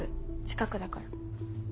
近くだから。